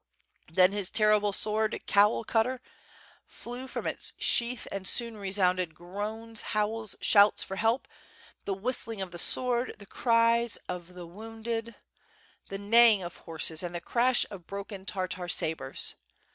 Then his terrible sword, "Cowl cutter, flew from its sheath, and soon resounded groans, howls, shouts for help, the whistling of the sword, the cries of the wounded. WITH FIRE AND SWORD. 765 the neighing of horses, and the crash of broken Tartar sabres.